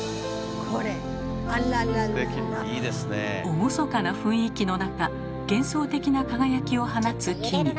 厳かな雰囲気の中幻想的な輝きを放つ木々。